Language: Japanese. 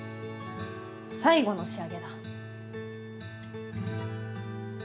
最後の仕上げだ。